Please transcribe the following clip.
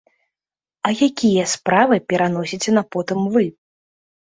А якія справы пераносіце на потым вы?